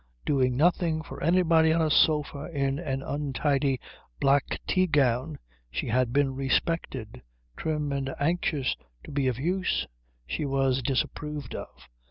Doing nothing for anybody on a sofa in an untidy black tea gown she had been respected. Trim and anxious to be of use she was disapproved of.